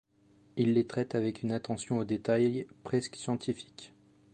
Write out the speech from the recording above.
Il les traite avec une attention aux détails presque scientifique.